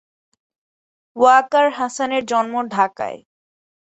ওয়াকার হাসানের জন্ম ঢাকায়।